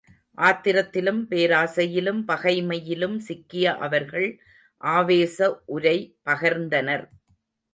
ஆத்திரத்திலும் பேராசையிலும் பகைமையிலும் சிக்கிய அவர்கள் ஆவேச உரை பகர்ந்தனர்.